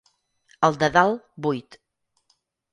El de dalt, buit.